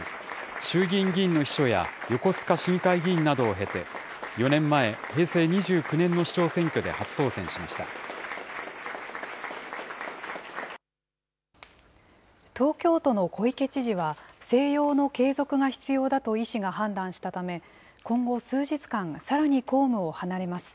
衆議院議員の秘書や横須賀市議会議員などを経て、４年前、平成２東京都の小池知事は、静養の継続が必要だと医師が判断したため、今後、数日間、さらに公務を離れます。